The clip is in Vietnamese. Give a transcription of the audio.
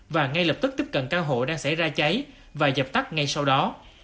và ngay lập tức tiếp cận căn hộ đang xảy ra cháy và dập tắt ngay sau đó